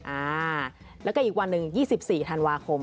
อ่าแล้วก็อีกวันหนึ่ง๒๔ธันวาคม